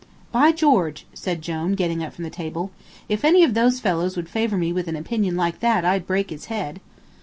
"By George!" said Jone, getting up from the table, "if any of those fellows would favor me with an opinion like that I'd break his head."